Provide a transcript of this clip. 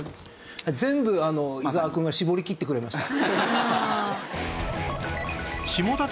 全部伊沢くんが絞りきってくれました。